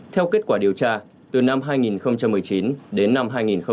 theo kết quả điều tra từ năm hai nghìn một mươi chín đến năm hai nghìn một mươi chín